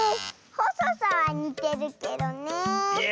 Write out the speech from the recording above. ほそさはにてるけどねえ。